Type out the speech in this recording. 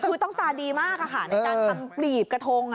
คือต้องตาดีมากในการทำปลีบกระทง